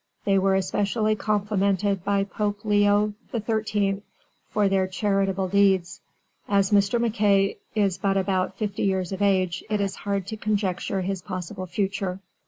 They were especially complimented by Pope Leo XIII for their charitable deeds. As Mr. MacKay is but about fifty years of age, it is hard to conjecture his possible future.